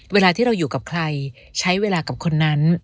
เวลาที่เราอยู่กับใครใช้เวลากับคนนั้น